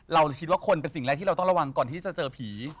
เราคิดว่าคนเป็นสิ่งแรกที่เราต้องระวังก่อนที่จะเจอผี